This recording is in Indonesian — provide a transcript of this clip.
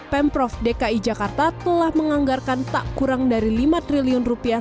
pemprov dki jakarta telah menganggarkan tak kurang dari lima triliun rupiah